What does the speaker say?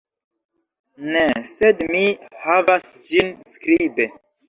Ne, sed mi havas ĝin skribe.